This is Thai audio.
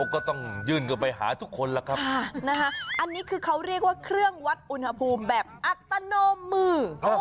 ก็ต้องยื่นกันไปหาทุกคนล่ะครับอันนี้คือเขาเรียกว่าเครื่องวัดอุณหภูมิแบบอัตโนมือ